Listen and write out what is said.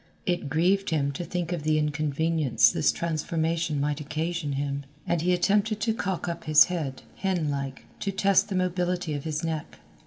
It grieved him to think of the inconvenience this transformation might occasion him, and he attempted to cock up his head, hen like, to test the mobility of his neck.